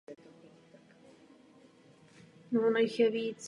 Její udělení ale nebylo automatické a král mohl rovněž své privilegium vzít zpět.